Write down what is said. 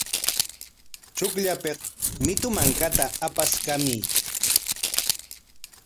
Chukllapik mitu mankata apaskamuy.